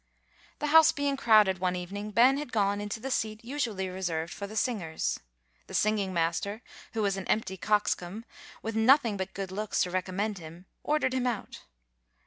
The house being crowded one evening, Ben had gone into the seat usually reserved for the singers. The singing master, who was an empty coxcomb, with nothing but good looks to recommend him, ordered him out.